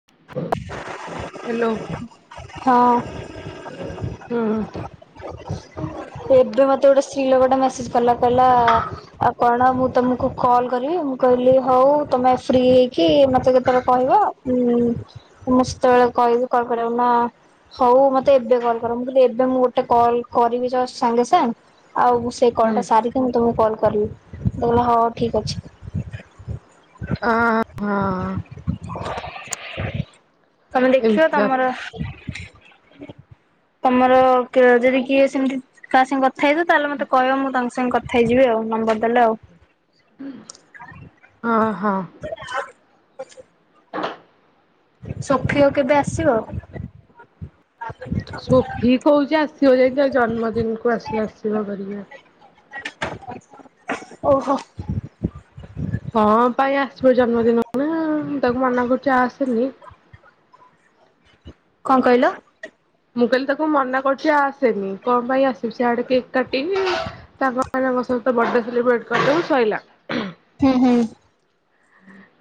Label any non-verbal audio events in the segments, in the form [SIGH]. [INAUDIBLE] ହଁ। ହୁଁ। ଏବେ ମତେ ଗୋଟେ ସ୍ତ୍ରୀ ଲୋକ ଟା ମେସେଜ୍ କଲା କହିଲା ଆଉ କଣ ମୁଁ ତମକୁ କଲ୍ କରିବି ମୁଁ କହିଲି ହଉ ତମେ ଫ୍ରି ହେଇକି ମତେ କେତେବେଳେ କହିବ। ହୁଁ ନିସ୍ତଳ କହିବି କଲ୍ କରିବାକୁ ନା ହଉ ମତେ ଏବେ କଲ୍ କର ମୁଁ କହିଲି ମୁଁ ଗୋଟେ କଲ୍ କରିବି ଜଷ୍ଟ ସାଙ୍ଗେ ସାଙ୍ଗେ ଆଉ ସେ କଲ୍ ଟା ସାରିକି ମୁଁ ତୁମକୁ କଲ୍ କରିବି ସେ କହିଲା ହଁ ଠିକ୍ ଅଛି। ଅଁ ହଁ। ତମେ ଦେଖିବ ଏମିତି ତମର କଥା ତମର କେ ଯଦି କିଏ ସେମିତି କା ସାଙ୍ଗେ କଥା ହେଇଥିବ ତାହେଲେ ମତେ କହିବ ମୁଁ ତାଙ୍କ ସାଙ୍ଗେ କଥାଇଯିବି ଆଉ ନମ୍ବର ଦେଲେ ଉ। ଅ ହଁ। [UNINTELLIGIBLE] ସୋଫିୟ କେବେ ଆସିବ? ସୋଫି କହୁଛି ଆସିବ ଯାଇ ତା ଜନ୍ମଦିନ କୁ ଆସିଲେ ଆସିବ କରିଆ। ଓହୋ। କଣ ପାଇଁ ଆସିବ ଜନ୍ମଦିନକୁ ନା ମୁଁ ତାକୁ ମନା କରୁଛି ଆସେନି କଣ କହିଲ? ମୁଁ କହିଲି ତାକୁ ମନା କରୁଛି ଆସେନି କଣ ପାଇଁ ଆସିବୁ ସିଆଡେ କେକ୍ କାଟିିବି ତାଙ୍କ ଏମାନଙ୍କ ସହିତ ବାର୍ଥଡେ ସେଲିବ୍ରେଟ୍ କରିଦବୁ ସଇିଲା। ହୁଁ, ହୁଁ।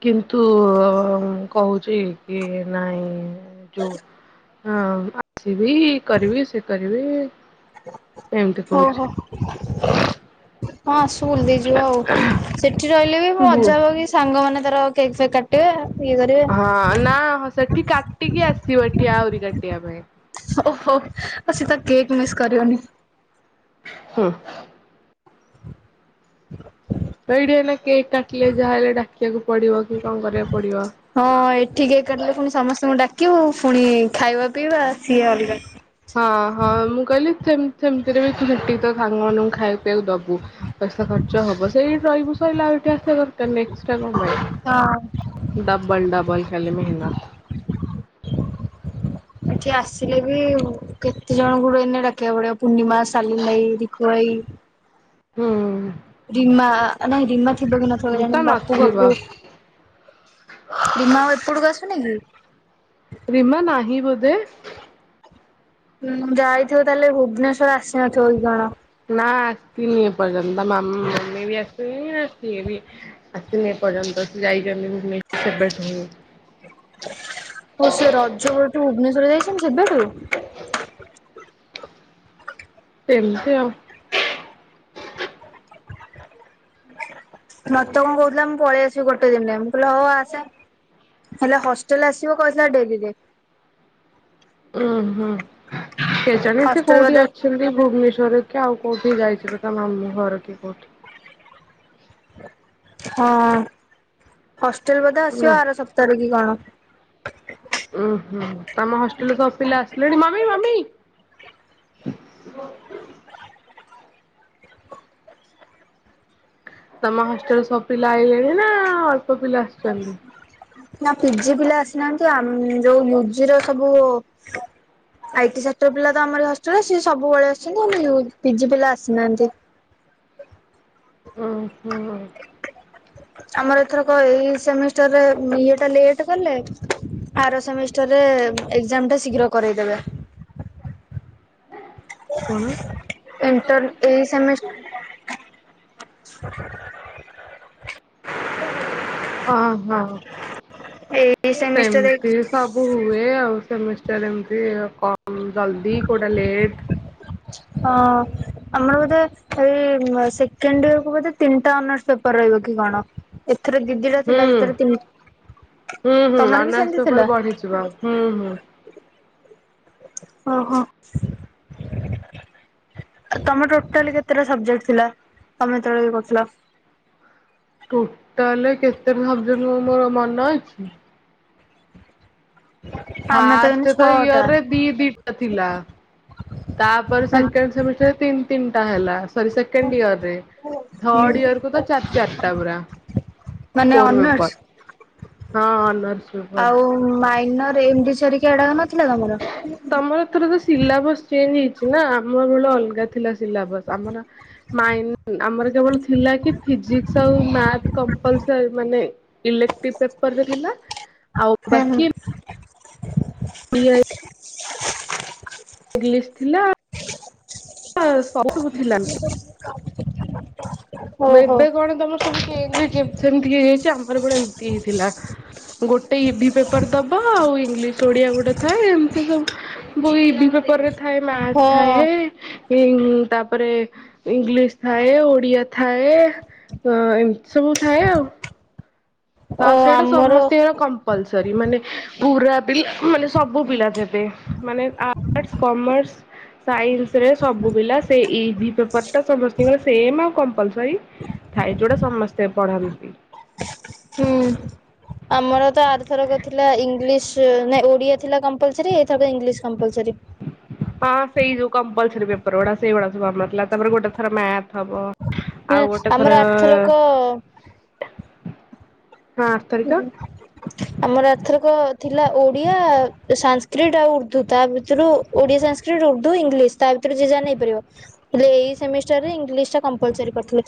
କିନ୍ତୁ କହୁଛି କି ନାଇଁ ଯୋଉ ହଁ ଆସିବି କରିବି ସେ କରିବି ଏମିତି କହୁଛି। ଓହୋ। ହଁ ଆସୁ ବୁଲି ଦେଇ କି ଯିବ ଆଉ ସେଠି ରହିଲେ ବି ମୁଁ ବୁ ମଜା ହବ କି ସାଙ୍ଗମାନେ ତାର କେକ୍ ଫେକ୍ କା ହଁ ନା ହଁ ସେଠି କାଟିକି ଆସିବ ଏଠି ଆହୁରି କାଟିବା ପାଇଁ ଓହୋ ଅ ସେ ତା କେକ୍ ମିସ୍ କରିବନି। ହୁଁ। ତ ଏଇଠି ଏଇନା କେକ୍ କାଟିଲେ ଯାହାହଲେ ଡାକିବାକୁ ପଡିବ କି କଣ କରିବାକୁ ପଡିବ ହଁ ଏଠି କେକ୍ କାଟିଲେ ପୁଣି ସମସ୍ତଙ୍କୁ ଡାକିବୁ ପୁଣି ଖାଇବା ପିଇବା ସିଏ ଅଲଗା ହଁ ହଁ ମୁଁ କହିଲି ସେମ୍ ସେମିତିରେ ବି ସେଟି ତା ସାଙ୍ଗ ମାନଙ୍କୁ ଖାଇବାକୁ ପିଇବାକୁ ଦବୁ ପଇସା ଖର୍ଚ୍ଚ ହବ ସେଇଟି ରହିବୁ ସଇଲା ଆଉ ଏଠି ଆସିବା ଦରକାର ନାହିଁ ଏକ୍ସଟ୍ରା କଣ ପାଇଁ? ହଁ। ଡବଲ୍ ଡବଲ୍ ଖାଲି ମେହନତ ଏଠି ଆସିଲେ ବି କେତେ ଜଣଙ୍କୁଠୁ ଏଇନେ ଡାକିବାକୁ ପଡିବ ପୂର୍ଣିମା ସାଲିମ୍ ଭାଇ, ରିକୁ ଭାଇ ହୁଁ। ରିମା ନାଇଁ ରିମା ଥିବ କି ନଥିବ ତ କେଜାଣି ବାପୁ ନଥିବ ପପୁ ପ୍ରିମା ଆଉ ଏପଟକୁ ଆସୁନି କି? ରିମା ନାହିଁ ବୋଧେ? ହୁଁ ଯାଇଥିବ ତାହେଲେ ଭୁବନେଶ୍ୱର ଆସିନଥିବ କି କଣ? ନା ଆସିନି ଏପର୍ଯ୍ୟନ୍ତ ମ ମମି ବି ଆସିବି ସିଏ ବି ଆସିିନ ଏ ପର୍ଯ୍ୟନ୍ତ ସେ ଯାଇଛନ୍ତି ଭୁବନେଶ୍ୱଵର ସେବେ ଠୁ କଣ ସିଏ ରଜ ବେଳଠୁ ଭୁବନେଶ୍ୱର ଯାଇଛନ୍ତି ସେବେଠୁ? ସେମିତି ଆଉ ମତେ କଣ କହୁଥିଲା ମୁଁ ପଳେଇ ଆସିବି ଗୋଟେ ଦିନରେ ମୁଁ କହିଲି ହଉ ଆସେ ହେଲେ ହଷ୍ଟେଲ ଆସିବ କହିଥିଲା ଡେରିରେ ଉଁ ହୁଁ କେ ଜାଣେ ସେ ହଷ୍ଟେଲ କୋଉଠି ବୋଧେ ଅଛନ୍ତି ଭୁବନେଶ୍ୱରରେ କି ଆଉ କୋଉଠି ଯାଇଥିବ ତା ମାମୁଁ ଘର କି କୋଉଠି? ହଁ ହଷ୍ଟେଲ ବୋଧ ନା ଆସିବ ଆର ସପ୍ତାହରେ କି କଣ? ଉ ହୁଁ ତମ ହଷ୍ଟେଲକୁ ସବୁ ପିଲା ଆସିଲେଣି? ତମ ହଷ୍ଟେଲ ସବ ପିଲା ଆଇଗଲେଣି ନା ଅଳ୍ପ ପିଲା? ଆସିଛନ୍ତି? ନା ପିଜି ପିଲା ଆସିନାହାନ୍ତି ଆ ଯୋଉ ମୁଜିର ସବୁ ଆଇ ସେକ୍ଟର ପିଲା ତ ଆମରି ହଷ୍ଟେଲ ସିଏ ସବୁବେଳେ ଅଛନ୍ତି ଆ ପିଜି ପିଲା ଆସିନାହାନ୍ତି। ହଁ ହୁଁ। ଆମର ଏଥରକ ଏଇ ସେମିଷ୍ଟରରେ ଇଏ ଟା ଲେଟ କଲେ ଆର ସେମିଷ୍ଟରରେ ଏକ୍ଜାମ ଟା ଶୀଘ୍ର କରାଇଦେବେ କଣ ଇଣ୍ଟର ଏଇ ସେମିଷ୍ଟ ହଁ ହଁ। ଏଇ ସେମିଷ୍ଟର ସେମିତି ସବୁ ହୁଏ ଆଉ ସେମିଷ୍ଟାର ଏମତି କଣ ଜଲ୍ଦି କେୋଉଟା ଲେଟ୍ ହଁ ଆମର ବୋଧେ ଏଇ ସେକେଣ୍ଡ ଇୟର କ ବୋଧେ ତିନିଟା ଅନ ପେପର୍ ରହିବ କି କଣ ଏଥର ଦିଦିଟା ହୁଁ ଥିଲା ସେଥର ତିନି ହୁଁ ହୁଁ ତମର ବି ଅନର୍ସ ସେମିତି ପେପର ଥିଲା ବଢିଯିବ ହୁଁ ହୁଁ ଓହୋ ତମର ଟୋଟାଲ କେତେଟା ସବଜେକ୍ଟ ଥିଲା ତମେଯେତେବେଳେ ଇଏ କରୁଥିଲ? ଟୋଟାଲ କେତେ ସବଜ ମୋର ମନେ ଅଛି ଆମେ ତ ଏଇନେ ଫାଷ୍ଟ ଛଅଟା ତୟରେ ଦି ଦିଟା ଥିଲା ତାପରେ ମାନେ ସେକେଣ୍ଡ ସେମିଷ୍ଟ ତିନି ତିନିଟା ହେଲା ସେକେଣ୍ଡ ଇୟର ରେ ହୁଁ ଥଡ ଇୟର କୁ ତ ଚାରି ଚାରିଟା ପୁରା ମାନେ କର୍ ଅନର୍ସ ପେପର୍ ହଁ ଅନର୍ସ ପେପର। ଆଉ ମାଇନର ଏମିଡି ସରିକି ଏଡାକ ନଥିଲା ତମର ଆମର ଏଥର ତ ସିଲାବସ ଚେଞ୍ଜ ହେଇଛି ନା ଆମ ଭେଳେ ଅଲଗା ଥିଲା ସିଲାବସ ଆମର ମାଇନି ଆମର କେବଳ ଥିଲା କି ଫିଜିକ୍ସ ଆଉ ମେୟଥ କମ୍ପ୍ଲସରି ମାନେ ଇଲେକ୍ଟ୍ରିକ ପେପର ରେ ଥିଲା ଆଉ ହୁଁ ହୁଁ ବାକି ହ। [UNINTELLIGIBLE] ଇଂଲିଶ ଥିଲାସ୍। [INAUDIBLE] ମୁ ଓହୋ ଏବେ କଣ ତମର ସବୁ ଚେଞ୍ଜ ହେଇ ସେମତି ହେଇଯାଇଛି ଆମର ପ ଏମିତି ହେଇଥିଲା ଗୋଟେ ଇଭି ପେପର ଦବା ଆଉ ଇଂଲିଶ ଓଡିଆ ଗୋଟେ ଥାଏ ଏମିତି ସବୁ ବୋଇ ଇଭି ପେପରରେ ଥାଏ ମଥ ହଁ। ଥାଏ ତାପରେ ଇଂଲିଶ ଥାଏ ଓଡିଆ ଥାଏ ଅ ଏମିତି ସବୁ ଥାଏ ଆଉ ଓ ଆଉ ସେଇଟା ଆମର ସମସ୍ତଙ୍କର କମ୍ପଲସରି ମାନେ ପୁରା ପିଲା ମାନେ ସବୁ ପିଲା ଯେବେ ମାନେ ଆର୍ଟସ୍ କମାର୍ସ ସାଇନ୍ସ ରେ ସବୁ ପିଲା ସେ ଇଭି ପେପର ଟା ସମସ୍ତେ ଙ୍କର ସେମ୍ ଆଉ କମ୍ପଲସର ଥାଇ ଯୋଉଟା ସମସ୍ତେ ପଢନ୍ତି। ହୁଁ ଆମର ତ ଆରଥର କ ଥିଲା ଇଂଲିଶ ନ ଓଡିଆ ଥିଲା କମ୍ପଲସରି ଏଇ ଇଂଲିଶ କମ୍ପଲସୀ। ହଁ ସେଇ ଯଉ କମ୍ପଲ୍ସାରି ପେପର ଗୁଡା ସେଇ ଗଡା ସବୁ ଆମର ଥିଲା ତାପରେ ଗୋଟେ ଥର ମାଥ ହବ, ଆଉ ଗୋଟେ ଆମର ଥର ଆରଥରକ ହଁ ଥରିକ ହୁଁ। ଆମର ଏଥରକ ଥିଲା ଓଡିଆ ସାସ୍କ୍ରିଟ ଆଉ ଉର୍ଦ୍ଦୁ ତା ଭିତରୁ- ଓଡ଼ିଆ ସଂସ୍କୃତ ଉର୍ଦୁ ଇଂଲିଶ ତା ଭିତରେ ଜିଜା ନେଇପାରିବ। ହେଲେ ଏଇ ସେମିଷ୍ଟର ରେ ଇଂଲିଶ ଟା କମ୍ପଲସରି କରିଥିଲେ।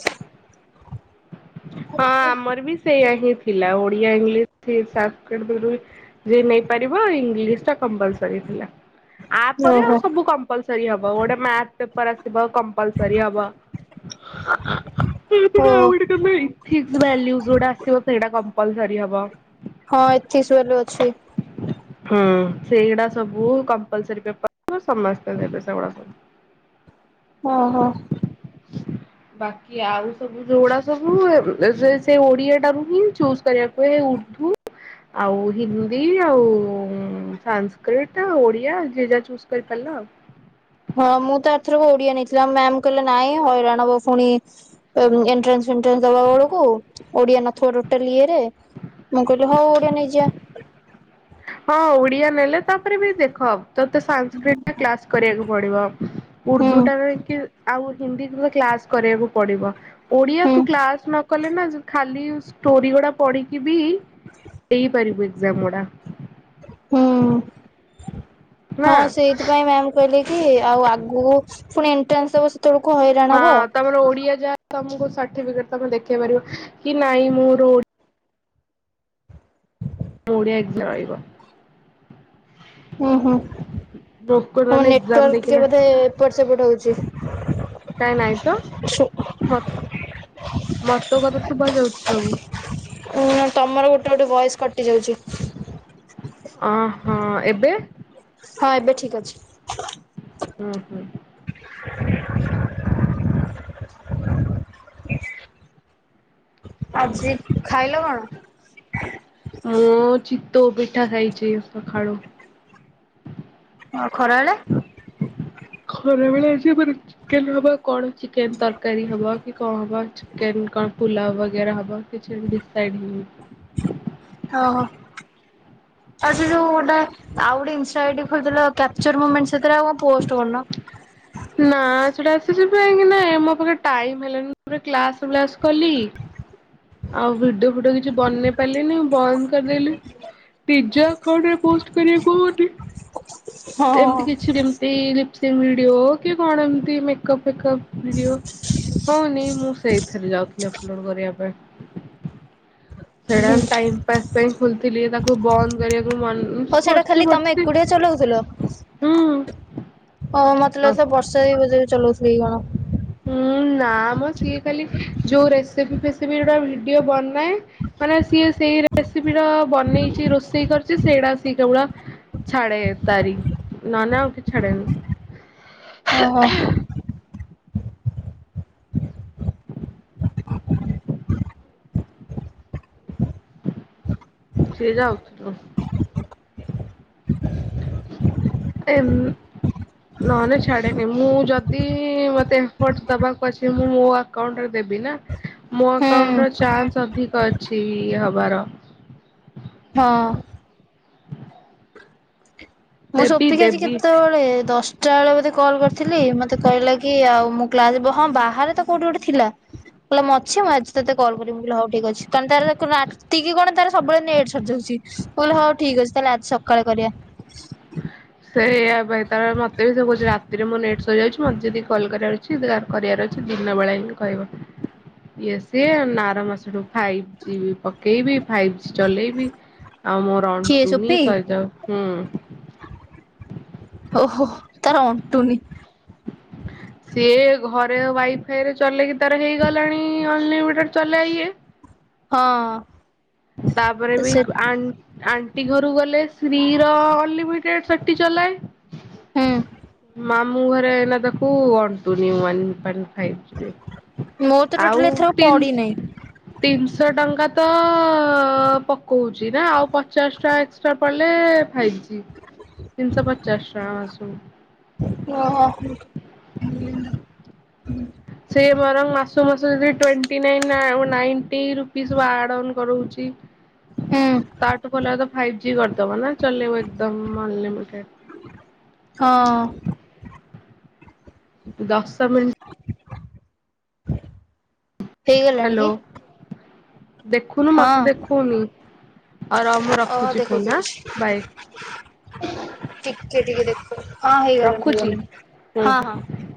[INAUDIBLE] ହଁ ଆମର ବି ସେଇଆ ହିଁ ଥିଲା ଓଡିଆ ଇଂଲିଶ [UNINTELLIGIBLE] ଜା ନେଇପାରିବ ଇଂଲିଶ ଟା କମ୍ପଲସରି ଥିଲା ତାପରେ ଆଉ ଓହୋ ସବୁ କ- କମ୍ପ୍ଲସରି ହବ ଗୋଟେ ମାଥ ପେପର ଆସିବ କ କଲ୍ କରି ହବ ଓ ଯୋଟା ଆସିବ ସେଇଟା କଲ ହବ। ହଁ ଏଥି ସଆ ଅଛି। ହୁଁ ସେଇଗୁଡା ସବୁଲ ସମସ୍ତେବେ ସେଗୁଡା ସବୁ। ହଁ ହଁ। ବାକି ଆଉ ସବୁ ଯୋଉଡା ସବୁ ସେ ଓଡିଆ ଟାରୁ ହିଁ ଚୁଜ କରିବାକୁ। ଏ ର୍ଦ୍ଦୁ। ଆଉ ହିନ୍ଦୀ ଆଉ ସାଂସ୍କ୍ରିଟ ଓଡିଆ ଯିଏ ଯାହା ଚୁଜ୍ କରିପାରିଲା ଆଉ। ହଁ ମୁଁ ତ ଆରଥରକ ଓଡିଆ ନେଇଥିଲି ମ୍ୟାମ କହିଲେ ନାଇଁ ହଇରାଣବ ପୁଣି ଏମ ଏଣ୍ଟ୍ରାନ୍ସ ଫେଟ୍ରାନ୍ସ ଦବା ବେଳକୁ ଓଡିଆ ନଥଥିବା ଟୋଟାଲି ଇଏରେ ମୁଁ କହିଲି ହଉ ଓଡ଼ିଆ ନେଇଯିବା। ହଁ ଓଡିଆ ନେଲେ ତାପରେ ବି ଦେଖ ତତେ ସାଂକ୍ରିଡ୍ କ୍ଲାସ କରିବାକୁ ପଡିବ ହୁଁ ଉର୍ଦ୍ଦୁ ଟା କି ଆଉ ହିନ୍ଦୀ ତେ କ୍ଲାସ କରିବାକୁ ପଡିବ। ଓଡିଆ ହୁଁ ତୁ କ୍ଲାସ ନ କଲେ ନା ଖାଲି ଷ୍ଟୋରି ଗୁଡା ପଢିକି ବି ଦେଇପାରିବୁ ଏକ୍ଜାମ ଗୁଡା। ହୁଁ ନା ହଁ ସେଇଥିପାଇଁ ମ୍ୟାମ କହିଲେ କି ଆଉ ଆଗୁକୁ ପୁଣି ଏଣ୍ଟ୍ରାନ୍ସ ଦବ ସେତେବେଳକୁ ହଇରାଣ ହଁ ହବ। ତମର ଓଡିଆ ଯାହା ତମକୁ ଷାଠି ବିକେଟ ତମେ ଦେଖେଇ ପାରିବ କି ନାଇଁ ମୋରୋ ଓ ଡ଼ିଆ ଏକଜରଇବ। ହୁଁ ହୁଁ। ତମ ଲୋକମାନେ ଏକ୍ଜାମ ନେଟୱାର୍କ ଟିକେ ଦେଇକିନା ବୋଧେ ଏପଟ ସେପଟ ହଉଛି? କାଇଁ ନାଇଁ ତ ମ ତେ ମ ତୋ କଥା ଶୁଭ ଯାଉଛି ସବୁ। ଉଁ ତମର ଗୋଟେ ଗୋଟେ ବୟେସ କଟି ଯାଉଛି? ଅଁ ହଁ ଏବେ? ହଁ ଏବେ ଠିକ୍ ଅଛି। ହୁଁ ହୁଁ। ଆଜି ଖାଇଲ କଣ? ଓ ଚିତଉ ପିଠା ଖାଇଛି ସଖାଳୁ। ଆଉ ଖରାବେଳେ? ଖରା ବେଳେ ଅଛି ମ ଚିକେନ ହବ କଣ ଚିକେନ ତରକାରୀ ହବ କି କଣ ହବ ଛି କେନ କଣ ପୁଲାଓ ବଗେରା ହବ କିଛି ଡିସାଇଡ୍ ହେଇନି। ଓହୋ ଆ ସେ ଯୋଉ ଗୋଟା ଆଉ ଗୋଟେ ଇଷ୍ଟା ଆଇଡି ଖୋଲିଥିଲ କ୍ୟାପଚରମୋମେଣ୍ଟ ସେଇଥିରେ ଆଉ କଣ ପୋଷ୍ଟ କରୁନ? ନା ସେଟା ସେସିପାଇଁ କିନା ଏ ମୋ ପାଖରେ ଟାଇମ୍ ହେଲାନି ପରେ କ୍ଲାସ ଫ୍ଲାସ କଲି। ଆଉ ଭିଡିଓ ଫିଡିଓ କିଛି ବନେଇ ପାରିଲିନି ବନ୍ଦ କରିଦେଲି। ନିଜ ଆକାଉଣ୍ଟୁରେ ପୋଷ୍ଟ କରିବାକୁ ହୁଉନି ହଁ। ଏମିତି କିଛି ଯେମିତି ଲିପସିଂ ଭିଡିଓ କି କଣ ଏମତି ମେକପ୍ ଫେକପ୍ ଭିଡିଓ। ହଉନି ମୁଁ ସେଇଥିରେ ଯାଉଥିଲି ଅପଲୋଡ କରିବା ପାଇଁ। ସେଟା ଟାଇମ ପାସ୍ ପାଇଁ ଖୋଲିଥିଲି ତାକୁ ବନ୍ଦ କରିବାକୁ ମ ହଉ ସେଇଟା ପଡ଼ିଛି ପ ତମେ ଏକୁଟିଆ ଚଲଉଥିଲ? ହଁ ମତେ ଲାଗୁଥିଲା ବର୍ଷା ବି ବୋଧେ ଚଲାଉଥିଲେକି କଣ। ହୁଁ ନା ମ ସିଏ ଖାଲି ଯୋଉ ରେସିପି ଫେସିପି ଗୁଡା ଭିଡିଓ ବନାଏ ମାନେ ସିଏ ସେଇ ରେସିପି ର ବନେଇଛି ରୋଷେଇ କରିଛି ସେଇଟା ସିଏ କେବଳ ଛାଡ଼େ ତାରି ନହେଲେ ଆଉ କିଛି ଛାଡ଼େ ନି। ଓହୋ। ସେ ଯାଉଥୁଲୁ। ଏମ ନହେଲେ ଛାଡ଼େ ନି ମୁଁ ଯଦି ମତେ ଏଫଟ୍ ଦବାକୁ ଅଛି ମୁଁ ମୋ ଆ ଆକାଉଣ୍ଟ ରେ ଦେବି ନା ମୋ ହୁଁ ଆକାଉଣ୍ଟ ର ଚାନ୍ସ ଅଧିକ ଅଛି ହବାର। ହଁ। ମୁଁ ଦେବି ସପିକି ଆଜି ଦେବି। କେତେବେଳେ ଦଶ ଦଶଟା ବେଳେ ବୋଧେ କଲ୍ କରିଥିଲି ମତେ କହିଲା କି ଆଉ ମୁଁ କ୍ଲାସ୍ ଯିବି ହଁ ବାହାରେ ତ କୋଉଠି ଗୋଟେ ଥିଲା। କହିଲା ମୁଁ ଅଛି ମୁଁ ଆଜି ତତେ କଲ କରିବି ମୁଁ କହିଲି ହଉ ଠିକ ଅଛି କାରଣ ରାତିକି କଣ ତାର ସବୁବେଳେ ନେଟ୍ ସରିଯାଉଛି। ମୁଁ କହିଲି ହଉ ଠିକ୍ ଅଛି ତାହେଲେ ଆଜି ସକାଳେ କରିବା। ସେଇୟା ଭାଇଲେ ମତେ ବି ସେ କହୁଛି ରାତିରେ ମୁଁ ନେଟ୍ ସରିଯାଉଛି ମତେ ଯଦି କଲ କରିବାର ଅଛି। ଯାହାର କରିବାର ଅଛି ଦିନବେଳା ହିଁ କରିବ। ଇଏ ସିଏ ଆର ମାସଠୁ ଫାଇଭ ଜି ପକେଇବି ଫାଇଭ ଜି ଚଲେଇବି। ଆଉ ମୋର କିଏ ଅଣ୍ଟୁନି ସୋପି? ସରିଯାଉଛି ହୁଁ। ଓହୋ ତାର ଅଣ୍ଟୁନି। ହ ସିଏ ଘରେ ୱାଇଫାଇରେ ଚଲେଇକି ତାର ହେଇଗଲାଣି ଅନଲିମିଟେଡ଼ ଚଲେ ଇଏ। ହଁ ତାପରେ ବି ସେ ଆନ ଆଣ୍ଟି ଘରକୁ ଗଲେ ଫ୍ରିର ଅନଲିମିଟେଡ଼ ସେଠି ହୁଁ ଚଲାଏ। ମାମ ମୁଁ ଘରେ ହେଲା ତାକୁ ଅଣ୍ଟୁନି ୱାନ ପଏଣ୍ଟ ଫାଇଭ ଜିବି। ମୋର ତ ଆଉ ଟୋଟାଲି ଏଥରକ ତିନ ପଡିନାହିଁ। ତିନିଶହ ଟଙ୍କା ତ ପକଉଛି ନା ଆଉ ପଚାଶ ଟଙ୍କା ଏକ୍ସଟ୍ରା ପଡ଼ିଲେ ଫାଇବ ଜି। ତିନଶହ ପଚାଶ ଟଙ୍କା ମାସକୁ। ଓହୋ ସେ ବରଂ ମାସକୁ ମାସକୁ two twenty nine ninety rupee ସବୁ ଆଡ଼୍ ଅନ୍ କରଉଛି। ହୁଁ ତାଠୁ ଭଲ ଫାଇଭ ଜି କରିଦବ ନା ଚଲେଇବ ଏକଦ ଅନଲିମିଟେଡ। ହଁ ଦଶ ମିିନଟ। ହେଇ ଗଲାଣି ହ୍ୟାଲୋ କି? ଦେଖୁନୁ ହଁ। ମତେ ଦେଖଉନି ହଉ ରଅ ମୁଁ ଓହୋ ରଖୁଛି ଦେଖଉଛି ଫୋନ ହାଁ ଦେଖୁଛି ବାଇ। ଟିକେ ଟିକେ। ହଁ ହେଇଗଲାଣି ରଖୁଛି ହେଇଗଲାଣି ହୁଁ। ହଁ ହଁ